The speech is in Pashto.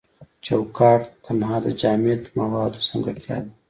چوکات تنها د جامد موادو ځانګړتیا ده.